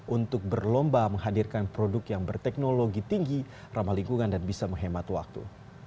untuk berlomba menghadirkan produk yang berteknologi tinggi ramah lingkungan dan bisa menghemat waktu